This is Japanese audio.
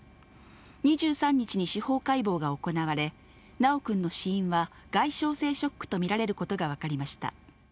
２３日に司法解剖が行われ、修くんの死因は外傷性ショックと見られることが分かりました。